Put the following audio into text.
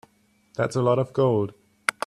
That's a lot of gold.